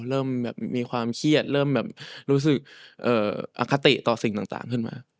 เริ่มแบบมีความเครียดเริ่มแบบรู้สึกอคติต่อสิ่งต่างขึ้นมา